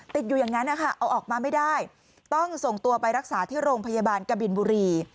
อยู่อย่างนั้นนะคะเอาออกมาไม่ได้ต้องส่งตัวไปรักษาที่โรงพยาบาลกบินบุรี